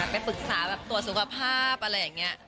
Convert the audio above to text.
ไปปรึกษาแบบตรวจสุขภาพอะไรอย่างนี้